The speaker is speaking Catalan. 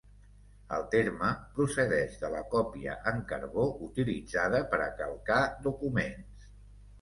El terme procedeix de la còpia en carbó utilitzada per a calcar documents.